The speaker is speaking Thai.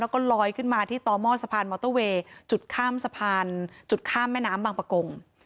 แล้วก็ลอยขึ้นมาที่ต่อหม้อสะพานมอเตอร์เวย์จุดข้ามสะพานจุดข้ามแม่น้ำบางประกง